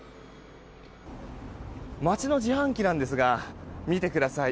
街の自販機なんですが見てください。